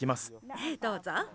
ええどうぞ。